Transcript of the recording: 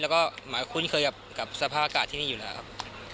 แล้วก็หมายคุ้นเคยกับสภาพอากาศที่นี่อยู่แล้วครับ